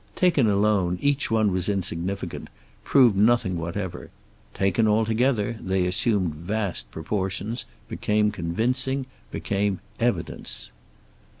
Taken alone, each one was insignificant, proved nothing whatever. Taken all together, they assumed vast proportions, became convincing, became evidence.